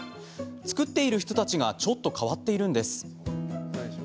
作っている人たちがちょっと変わっているんです。